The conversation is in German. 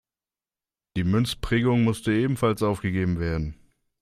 Die Münzprägung musste ebenfalls aufgegeben werden.